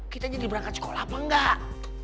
kita jadi berangkat sekolah apa enggak